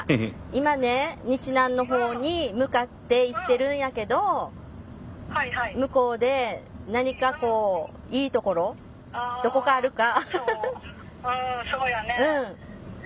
今ね日南のほうに向かっていってるんやけど向こうで何かいい所どこかあるか。